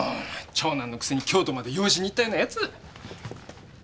長男のくせに京都まで養子に行ったような奴！